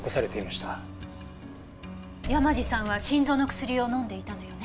山路さんは心臓の薬を飲んでいたのよね。